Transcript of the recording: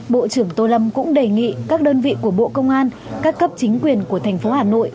bộ trưởng tô lâm cũng đề nghị các đơn vị của bộ công an các cấp chính quyền của thành phố hà nội